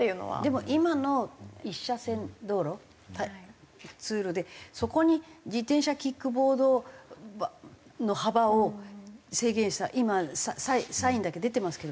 でも今の１車線道路通路でそこに自転車キックボードの幅を制限した今サインだけ出てますけど。